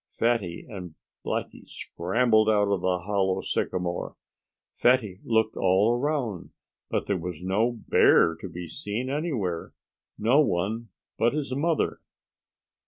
Fatty and Blackie scrambled out of the hollow sycamore. Fatty looked all around. But there was no bear to be seen anywhere no one but his mother.